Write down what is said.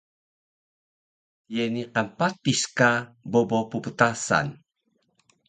Ye niqan patis ka bobo pptasan?